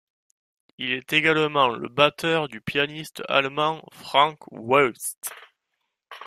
Il est également le batteur du pianiste allemand Frank Woeste.